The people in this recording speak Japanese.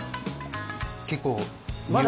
結構。